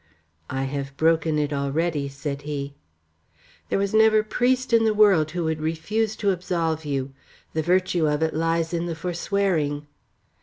"I have broken it already," said he. "There was never priest in the world who would refuse to absolve you. The virtue of it lies in the forswearing.